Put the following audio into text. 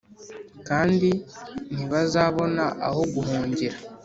kandi ntibazabona aho guhungira,